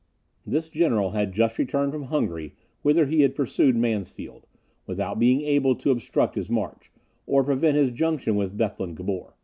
This general had just returned from Hungary whither he had pursued Mansfeld, without being able to obstruct his march, or prevent his junction with Bethlen Gabor.